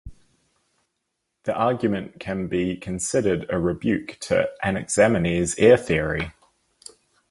The argument can be considered a rebuke to Anaximenes' air theory.